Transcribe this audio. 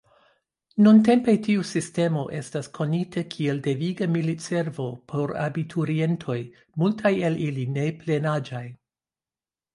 Nuntempe tiu sistemo estas konita kiel deviga militservo por abiturientoj, multaj el ili neplenaĝaj.